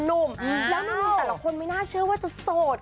หนุ่มแล้วหนุ่มแต่ละคนไม่น่าเชื่อว่าจะโสด